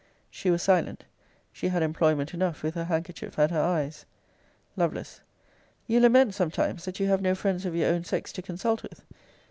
She was silent. She had employment enough with her handkerchief at her eyes. Lovel. You lament, sometimes, that you have no friends of your own sex to consult with.